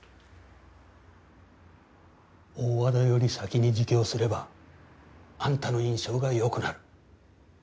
大和田より先に自供すればアンタの印象がよくなる。